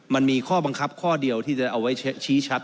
มันมีข้อบังคับข้อเดียวที่จะเอาไว้ชี้ชัด